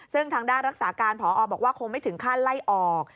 ซึ่งทางด้านรักษาการพอบอกว่าคงไม่ถึงขั้นไล่ออก